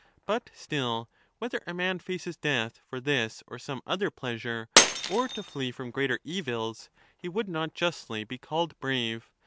But still, whether a man faces death for this or some other pleasure or to flee from greater evils, he would not justly be called brave.